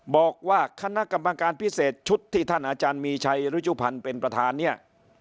บอกว่าคณะกรรมการพิเศษชุดที่ท่านอาจารย์มีชัยรุจุพันธ์เป็นประธานเนี่ย